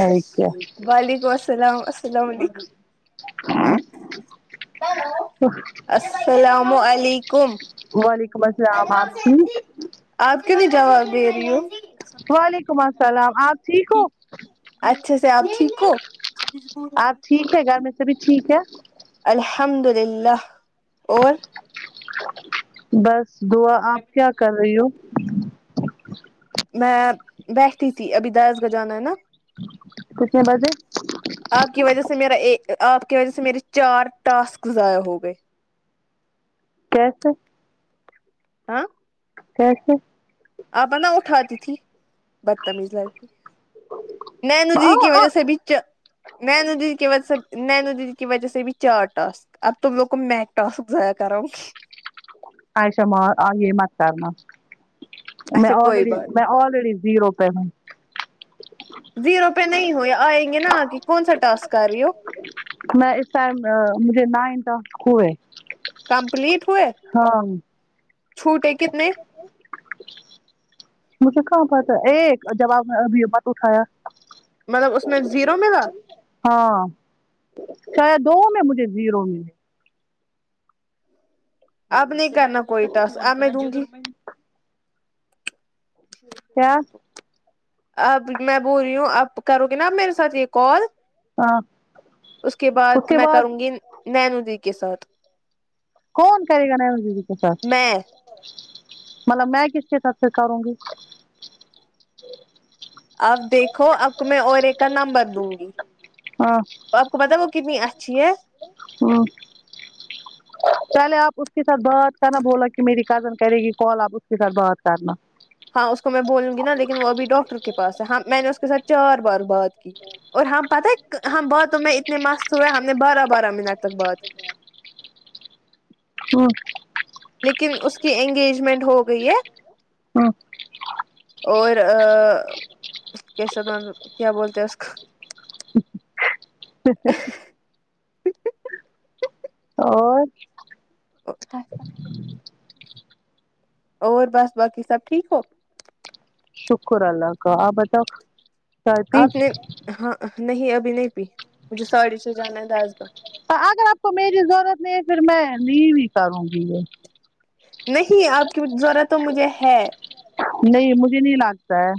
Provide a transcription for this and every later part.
اور کیا وعلیکم السلام السلاوعلیکم ہیلو السلام علیکم وعلیکم السلام آپ ٹھیک آپ کیو ضں نہیں جواب دے رہی ہو وعلیکم السلام آپ ٹھیک ہو اچھے سے آپ ٹھیک ہو آپ ٹھیک ہے گھر میں سبھی ٹھیک ہے الحمد للہ اور بس دعا آپ کیا کر رہی ہو میں بیٹھی تھی ابھی داس گجانا ہے نہ کتنے بجے آپ کی وجہ سے میرا ایک ا آپ کی وجہ سے میرے چار ٹاسک ضائع ہو گئے کیسے ہاں کیسے آپ نہ اٹھاتی تھی بدتمیز لڑکی نینو آ، دیدی کی آ، وجہ سے بھی چہ نینو دیدی کی وجہ سے نینو دیدی کی وجہ سے بھی چار ٹاسک اب تم لوگ کومیک ٹاسک ضائع کراؤ نگی عائیشہ ما آگےمات کر نا میں اچھا کوئی آلریڈ ی بات میں آلریڈی زیرو پے ہوں زیرو پے نہیں ہو یے آئیں گے نہ آ گے کون سا ٹاسک کر رہی ہو میں اس ٹائم مجھے نائن ٹاسک ہوئے کمپلیٹ ہوئے ہاں چھوٹے کتنے مجھے کہاں پتہ ایک جواب میں ابھی یے بات اٹھایا مطلب اس میں زیرو ملا ہاں شاید دو میں مجھے زیرو میں اب نہیں کرنا کوئی ٹاسک اب میں دوں گی کیا اب میں بول رہی ہوں اب کرو گے نہ آپ میرے ساتھ یے کال ہاں اس کے بعد میں کروں گی نینو دی کے ساتھ کون کرے گا نینو دیدی کے ساتھ میں مطلب میں کس کے ساتھ سے کروں گی اب دیکھو آپ کو میں اور ایک کا نمبر دوں گی ہاں آپ کو پتہ ہے وہ کتنی اچھی ہے ہمم پہلے آپ اس کے ساتھ بات کرنا بولنا کی میری کزن کرے گی کال آپ اس کے ساتھ بات کرنا ہاں اس کو میں بولوں گی نہ لیکن وہ ابھی ڈاکٹر کے پاس ہے ہاں میں نے اس کے ساتھ چار بار بات کی اور ہم پتہ ہے ہم باتوں میں اتنے مست ہوئے ہم نے بارہ بارہ منٹ تک بات [unintelligible] لیکن اس کی انگیجمنٹ ہو گئی ہے ہوں اور آ کیسے کیا بولتے ہیں اس کا [inaudible] اچھا اور [unintelligible] اور بس باقی سب ٹھیک ہو شکر اللہ کا آپ بتاؤ چائے پی آپ نے ہاں نہیں ابھی نہیں پی مجھے ساڑے چھ جانا ہے دس دو اگر آپ کو میری ضرورت نہیں ہے پھر میں نیوی کروں گی یے نہیں آپ کی ضرورت تو مجھے ہے نہیں مجھے نہیں لگتا ہے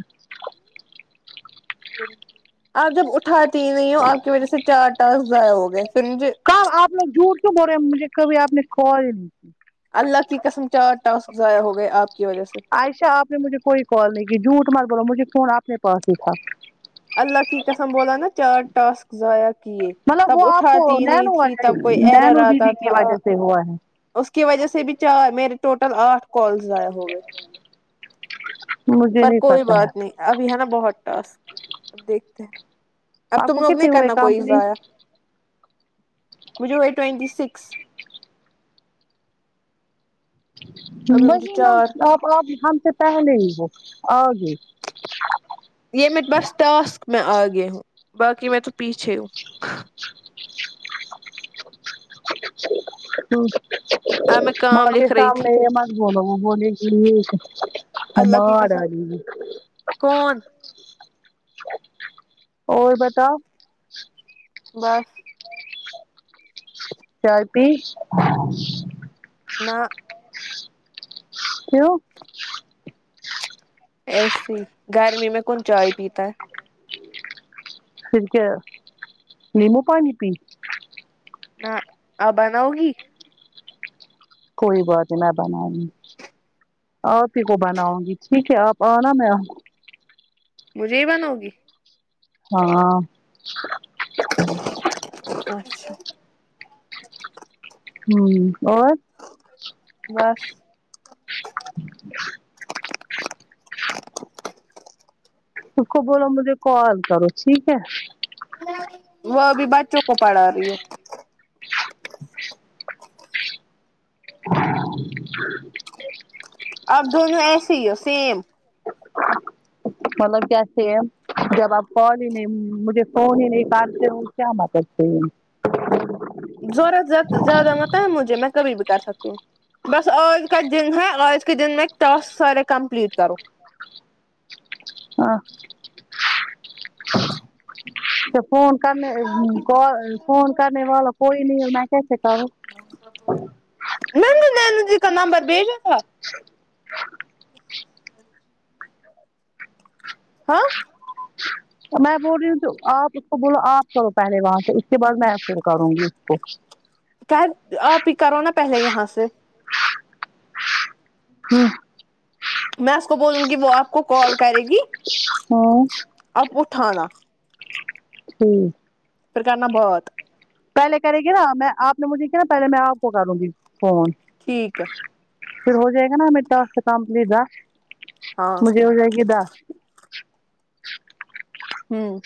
آپ جب اٹھاتی ہی نہیں ہو آپ کی وجہ سے چار ٹاسک ضائع ہو گئے پھر مجھے کب آپ نے جھوٹ کیوں بول رہے مجھے کبھی آپ نے کال اللہ کی قسم چار ٹاسک ضائع ہو گئے آپ کی وجہ سے عائشہ آپ آپ نے مجھے کوئی کال نہیں کی جھوٹ مت بولو مجھے فون اپنے پاس ہی تھا اللہ کی قسم بولا ناں چار ٹاسک ضائع کیے مطلب وہ تب آپ کو اٹھاتی نہیں نینو تھی والے تب کوئی ایرر نینو آتا دیدی کی تھا وجہ سے ہو ہے اس کی وجہ سے بھی چار میرے ٹوٹل آٹھ کال ضائع ہو گئے مجھے پر نہیں کوئی پتا ہے بات نہیں ابھی ہے نا بہت ٹاسک اب دیکھتے ہیں اب آپ تم کو لوگ نہیں کتنے ہوئے کرنا کوئی ضائع کمپلیٹ مجھے وہ ٹوینٹی سکس ابھی بس مجھے ہے ناں چار آپ تو آپ ہم سے پہلے ہی ہو آگے یہ میں بس ٹاسک میں آگے ہوں باقی میں تو پیچھے ہوں ہ اب میں کام ماں کے لکھ رہی تھی سامنے مت بولو وہ بولے گی یہ اللہ کی ماں قسم ڈالے گی کون اور بتاؤ بس چائے پی نہ کیوں ایسے ہی گرمی میں کون چائے پیتا ہے پھر کیا نیمو پانی پی نہ آپ بناؤ گی کوئی بات نہیں میں بنارہی ہوں آپ ہی کو بناؤں گی ٹھیک ہے آپ آنا میں مجھے ہی بناؤ گی ہاں اچھا ہوں اور بس اس کو بولو مجھے کال کرو ٹھیک ہے وہ ابھی بچوں کو پڑھا رہی ہے [inaudible] اب دونوں ایسے ہی ہو سیم مطلب کیا سے جب آپ کال ہی نہیں مجھے فون ہی نہیں کارتے ہو کیا متتے ضوروزت زیادہ متا ہے مجھے میں کبھی بھی بتا سکتی ہوں بس آج کا دن ہے آج کے دن میں ٹاسک سارے کمپلیٹ کرو ہاں فون کرنے ک فون کرنے والا کوئی ہے میں کیسے کروں مینے نانا جی کا نمبر بجا تھا س ہاں میں بول رہی ہوں ک آپ اس کو بولو آپ کرو پہلے وہاں سے اس کے بعد میں فر کروں گی اس کو کہید آپ ہی کرو نا پہلے یہاں سے ہاں میں اس کو بولوں گی وہ آپ کو کال کرے گ ہوں آب اٹھآ نا ہوں پھر کرنا بہت پہلے کرے گی نا میں آپ نے مجھے کی نا پہلے میں آپ کو کروں گی فون ٹھیک ہے پھر ہو جائے گا نا ہمے ٹاسک سے کامپلی دس ہاں مجھے ہو جائے گی دس ہوں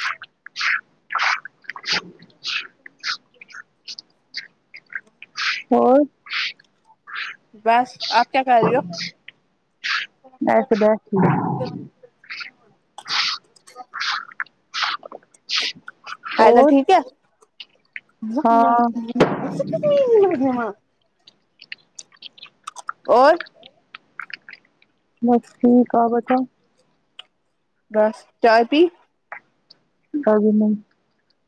اور بس آپ کیا کر رہی ہو بیٹھے بیٹھے آد اور ٹھیک ہے ہاں اور بس ٹھیک آو بتاؤ بس چائے پی ہے میم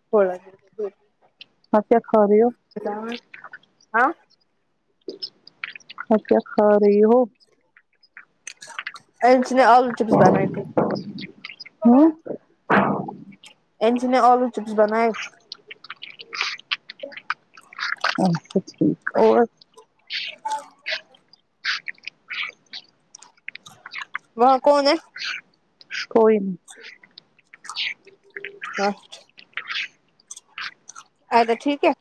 ک گ اب کیا کھارے ہو ہاں اب کیا کھا رہی ہو انے آلو چپس بنانے تھے ہوں انجی نے آلو چپس بنائے اچھا ٹھیک اور وہاں کون ہے کوئی نہیں اچھا اجا ٹھیک ہے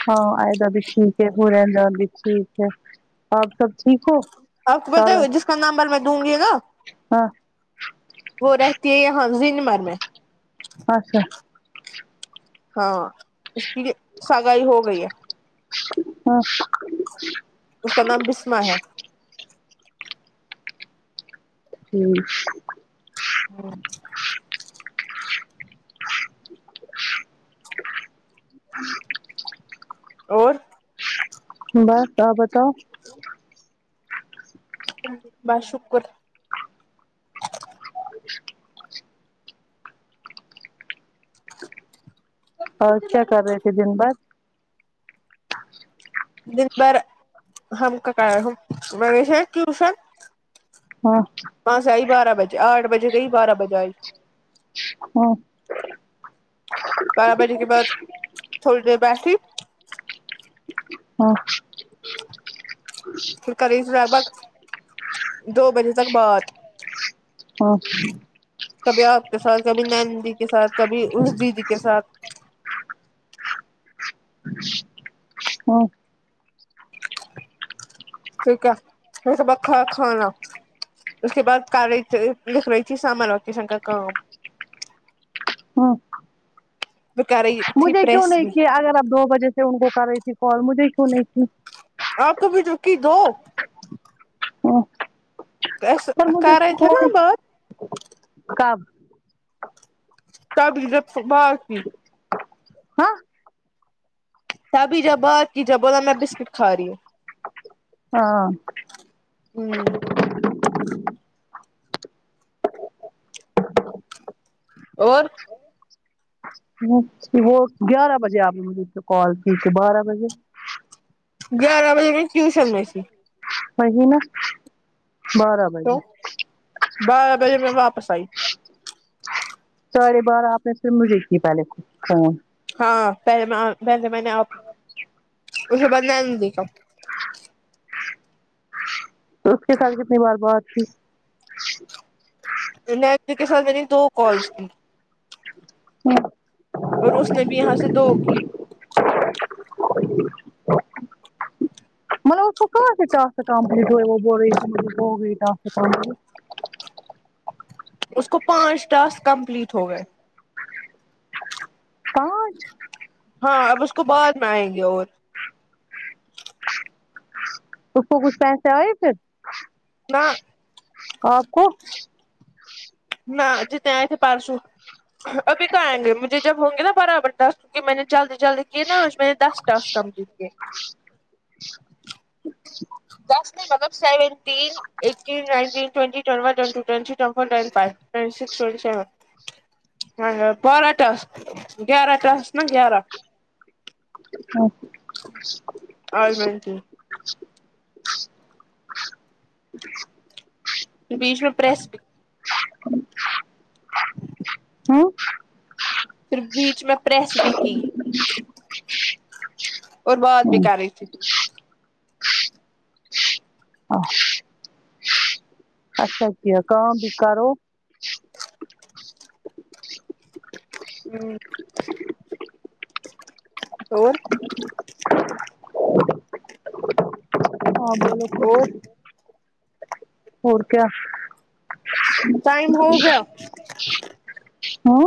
ہاں آئدہ بھی ٹھیک ہے ہو رہندہ بھی ٹھیک ہے آپ سب ٹھیک ہو آپ کو پتہ ہے چالا و جس کا نمبر میں دوں گی نا ہاں وہ رہتی ہے یہاں زنمر میں اچھا ہاں اس کی سگائی ہو گئی ہے ہاں اس کا نام بسما ہے ہوں اور بس آ بتاؤ بس شکر اور کیا کر رہے تھے دن بعد دن بر ہم کا کا مویش ہے ٹیوشن ہاں بس آئی بارہ بجے آٹھ بجے گئی بارہ بجے آئی ہاں بارہ بجے کے بعد تھوڑی دیر بیٹھی ہاں پھر کر رہی تھی لگ بھگ دو بجے تک بات ہاں کبھی آپ کے ساتھ کبھی نین جی کے ساتھ کبھی اسدی جی کے ساتھ ہاں ٹھیک ہے [unintelligible] بکھا کھانا اس کے بعد کر رہی لکھ رہی تھی سامر ووکیشن کا کام ہمم [unintelligible] مجھے کیوں نہیں بھی کی اگر آپ دو بجے سے ان کو کر رہی تھی کال مجھے کیوں نہیں کی آپ کو بھی تو کی دو ہاں کر پر مجھے رہے تھے نا کوئی بات کب تب بھی جب صبح اٹھی ہاں تبھی جب بات کی جب بولا میں بسکٹ کھا رہی ہوں ہاں ہمم اور وہ گیارہ بجے آپ نے مجھے کال کی تھی بارہ بجے گیارہ بجے میں ٹیوشن تھی وہی نا بارہ تو بجے بارہ بجے میں واپس آئی ساڑھے بارہ آپ نے پھر مجھے کی پہلے فون ہاں پہلے میں آ پہلے میں نے آپ اسے بعد میں نے نہیں دیکھا اس کے ساتھ کتنے بار بات کی کے ساتھ میں نے دو کالس کی [unintelligible] ہاں اور اس نے بھی یہاں سے دو کی بلا اس کو کہاں سے ٹاس کمپلیٹ ہوئے وہ بول رہی تھی مجھے وہ بہت کمپلیٹ اس کو پانچ ٹاسک کمپلیٹ ہو گئے پانچ ہاں اب اس کو بعد میں آئیں گے اور اسکو کچھ پیسے آئے تھ نہ آپ کو نہ جتنے آئے تھے پارسو ابھی تو آئیں گے مجھے جب ہوں گے نا برابر دس کیونکی میں نے جلدی جلدی کیے نہ آج میں نے دس ٹاسک کمپلیٹ کیے [unintelligible] دس نہیں مطلب seventeen eighteen nineteen twenty twenty one twenty two twenty three twenty four twenty five twenty six twenty seven ہاں ہاں بارہ ٹاسک گیارہ ٹاسک نا گیارہ ہاں اور [unintelligible] بیچ میں پریس بھی ہوں پھر بیچ میں پریس بھی کی [inaudible] اور بات بھی ہوں کر رہی تھی ا اچھا کیا کام بھی کرو ہمم اور ہاں بولو اور اور کیا ٹائم ہو گیا ہوں